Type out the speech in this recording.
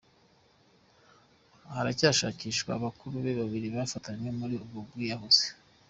Haracyashakishwa bakuru be babiri bafatanyije muri ubwo bwiyahuzi.